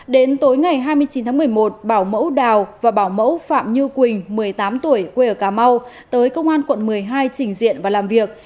đến tối ngày hai mươi chín tháng một mươi một bảo mẫu đào và bảo mẫu phạm như quỳnh một mươi tám tuổi quê ở cà mau tới công an quận một mươi hai trình diện và làm việc